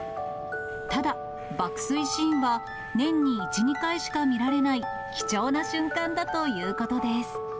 ただ、爆睡シーンは年に１、２回しか見られない貴重な瞬間だということです。